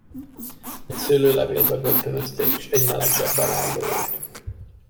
Egy szőlőlevélbe börtönözték, s egy meleg zsebbe vándorolt.